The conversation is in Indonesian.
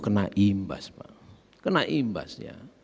kena imbas pak kena imbas ya